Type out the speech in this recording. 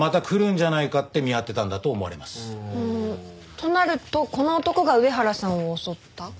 となるとこの男が上原さんを襲った？